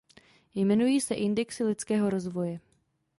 Jmenují se indexy lidského rozvoje.